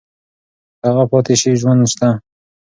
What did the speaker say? که هغه پاتې شي ژوند شته.